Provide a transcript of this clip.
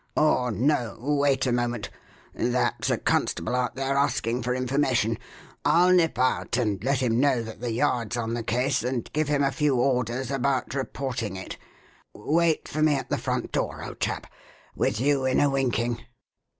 Or no: wait a moment. That's a constable out there, asking for information. I'll nip out and let him know that the Yard's on the case and give him a few orders about reporting it. Wait for me at the front door, old chap. With you in a winking."